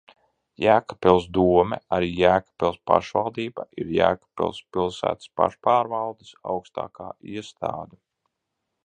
Jēkabpils dome, arī Jēkabpils pašvaldība, ir Jēkabpils pilsētas pašpārvaldes augstākā iestāde.